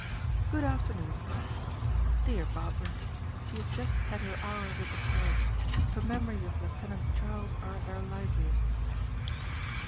"Good afternoon," she said, "Dear Barbara!—She has just had her hour with the parrot. Her memories of Lieutenant Charles are at their liveliest."